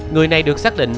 người này được xác định